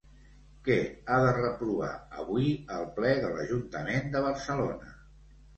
Què ha de reprovar avui el ple de l'Ajuntament de Barcelona?